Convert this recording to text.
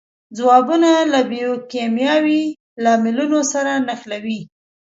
ځوابونه له بیوکیمیاوي لاملونو سره نښلوي.